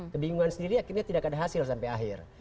kebingungan sendiri akhirnya tidak ada hasil sampai akhir